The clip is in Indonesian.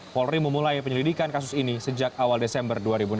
polri memulai penyelidikan kasus ini sejak awal desember dua ribu enam belas